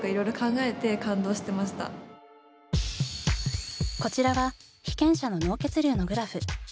何か一番私のこちらは被験者の脳血流のグラフ。